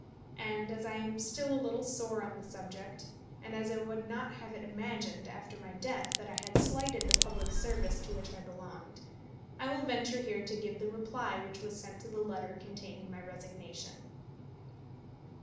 And as I am still a little sore on the subject, and as I would not have it imagined after my death that I had slighted the public service to which I belonged, I will venture here to give the reply which was sent to the letter containing my resignation.